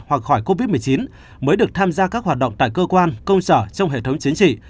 hoặc khỏi covid một mươi chín mới được tham gia các hoạt động tại cơ quan công sở trong hệ thống chính trị